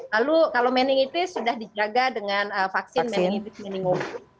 lalu kalau meningitis sudah dijaga dengan vaksin meningitis meningum